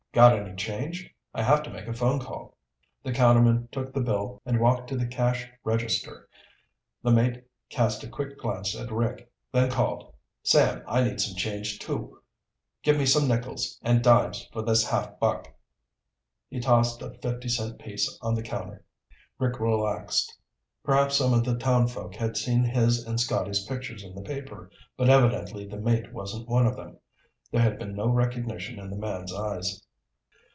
"Got any change? I have to make a phone call." The counterman took the bill and walked to the cash register. The mate cast a quick glance at Rick, then called, "Sam, I need some change, too. Give me some nickles and dimes for this half buck." He tossed a fifty cent piece on the counter. Rick relaxed. Perhaps some of the townfolk had seen his and Scotty's pictures in the paper, but evidently the mate wasn't one of them. There had been no recognition in the man's eyes.